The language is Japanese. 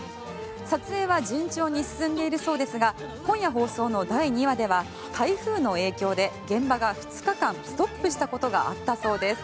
撮影は順調に進んでいるそうですが今夜放送の第２話では台風の影響で現場が２日間ストップしたことがあったそうです。